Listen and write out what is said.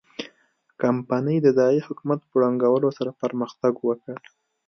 کمپنۍ د ځايي حکومتونو په ړنګولو سره پرمختګ وکړ.